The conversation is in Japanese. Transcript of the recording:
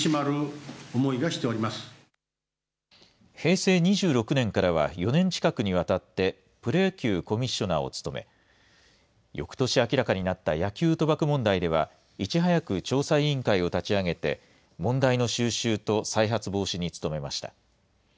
平成２６年からは４年近くにわたって、プロ野球コミッショナーを務め、よくとし明らかになった野球賭博問題では、いち早く調査委員会を立ち上げて、問題の収拾と再発防止に努めました。